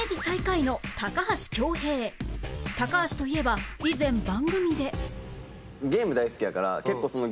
続いては高橋といえば以前番組で